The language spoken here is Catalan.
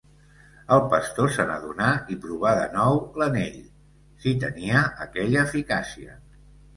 El pastor se n'adonà i provà de nou l'anell, si tenia aquella eficàcia.